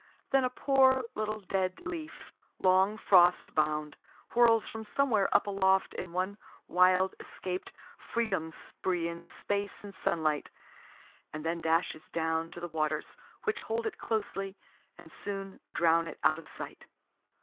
Then a poor little dead leaf, long frost bound, whirls from somewhere up aloft in one wild escaped freedom spree in space and sunlight, and then dashes down to the waters, which hold it closely and soon drown it out of sight.